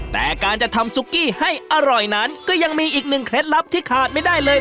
แต่การจะทำซุกี้ให้อร่อยนั้นก็ยังมีอีกหนึ่งเคล็ดลับที่ขาดไม่ได้เลย